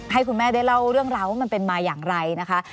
ให้คุณแม่ได้เล่าเรื่องราวว่ามันเป็นมาอย่างไรนะคะ